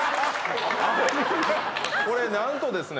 これ何とですね